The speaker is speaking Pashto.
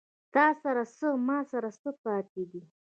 تاســـره څـــه، ما ســـره څه پاتې دي